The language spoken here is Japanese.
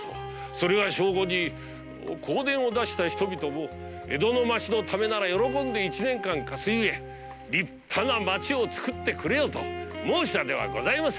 それが証拠に香典を出した人々も“江戸の町のためなら喜んで一年間貸すゆえ立派な町を作ってくれよ”と申しました。